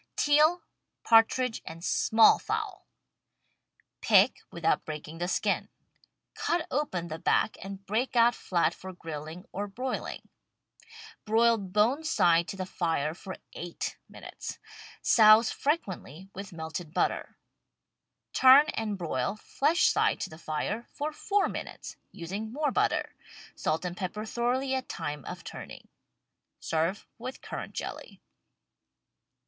TEAL, PARTRIDGE AND SMALL FOWL Pick, without breaking the skin. Cut open the back and break out flat for grilling or broiling. Broil bone side to the fire for eight minutes. Souse frequently with melted butter. Turn and broil, flesh side to the fire, for four minutes, using more butter. Salt and pepper thoroughly at time of turning. Serve with currant jelly.